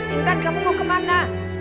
intan kamu mau kemana